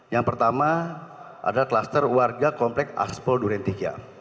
yang pertama adalah kluster warga komplek aspol durentikya